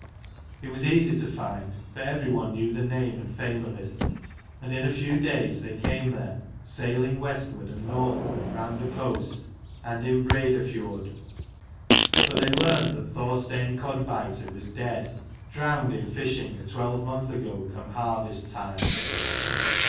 It was easy to find, for every one knew the name and fame of it : and in a few days they came there, sailing Westward and Northward round the coast and in Breidafiord: but they learned that Thorstein Codbiter was dead, drowned in fishing a twelve month ago come harvest time.